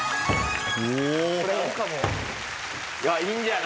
いいんじゃない？